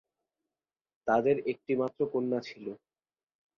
তাঁদের একটি মাত্র কন্যা ছিল।